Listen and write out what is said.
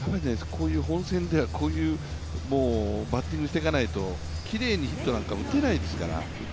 本戦ではこういうバッティングをしていかないときれいにヒットなんて打てないですから。